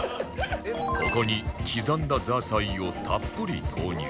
ここに刻んだザーサイをたっぷり投入